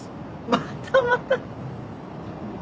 またまた。